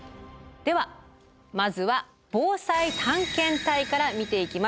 ではまずは「ぼうさい探検隊」から見ていきます。